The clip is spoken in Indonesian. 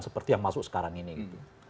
seperti yang masuk sekarang ini gitu